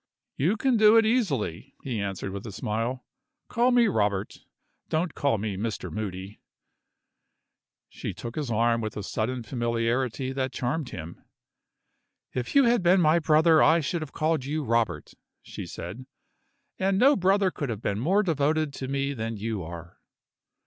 "You can do it easily," he answered, with a smile. "Call me 'Robert' don't call me 'Mr. Moody.'" She took his arm with a sudden familiarity that charmed him. "If you had been my brother I should have called you 'Robert,'" she said; "and no brother could have been more devoted to me than you are."